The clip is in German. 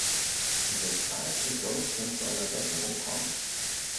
Weshalb soll es denn zu einer Besserung kommen?